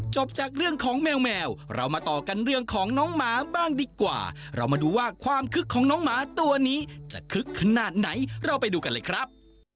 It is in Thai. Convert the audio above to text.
จบจากเรื่องของแมวแมวเรามาต่อกันเรื่องของน้องหมาบ้างดีกว่าเรามาดูว่าความคึกของน้องหมาตัวนี้จะคึกขนาดไหนเราไปดูกันเลยครับ